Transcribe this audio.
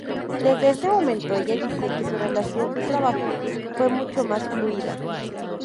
Desde ese momento, ella dice que su relación de trabajo fue mucho más fluida.